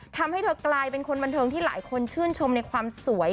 ทำให้เธอกลายเป็นคนบันเทิงที่หลายคนชื่นชมในความสวย